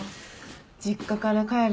実家から帰るとき